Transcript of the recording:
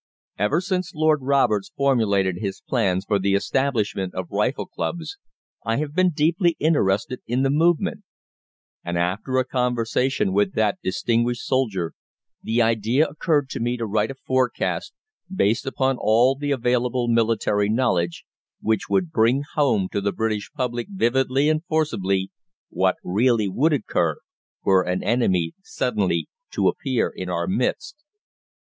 Ever since Lord Roberts formulated his plans for the establishment of rifle clubs I have been deeply interested in the movement: and after a conversation with that distinguished soldier the idea occurred to me to write a forecast, based upon all the available military knowledge which would bring home to the British public vividly and forcibly what really would occur were an enemy suddenly to appear in our midst.